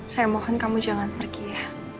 saya mohon kamu jangan pergi ya